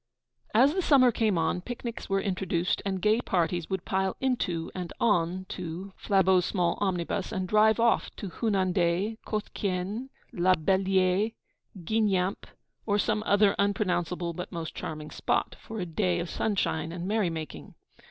As the summer came on, picnics were introduced, and gay parties would pile into and on to Flabeau's small omnibus, and drive off to Hunandaye, Coétquën, La Bellière, Guingamp, or some other unpronounceable but most charming spot, for a day of sunshine and merrymaking.